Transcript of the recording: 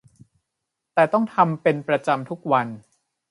แต่ต้องทำเป็นประจำทุกวัน